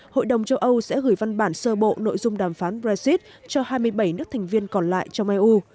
hội đồng châu âu sẽ gửi văn bản sơ bộ nội dung đàm phán brexit cho hai mươi bảy nước thành viên còn lại trong eu